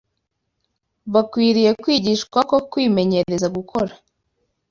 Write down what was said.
Bakwiriye kwigishwa ko kwimenyereza gukora